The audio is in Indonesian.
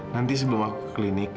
nanti sebelum aku klinik